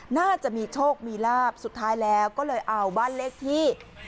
น่าจะมีโชคมีลาบสุดท้ายแล้วก็เลยเอาบ้านเลขที่